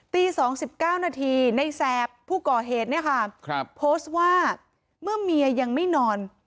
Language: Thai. ๒๙นาทีในแสบผู้ก่อเหตุเนี่ยค่ะโพสต์ว่าเมื่อเมียยังไม่นอน